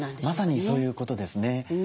まさにそういうことですね。